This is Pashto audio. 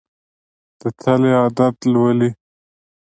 د تلې عدد لولي.